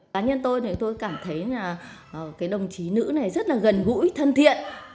cả nhân tôi cảm thấy đồng chí nữ này rất gần gũi thân thiện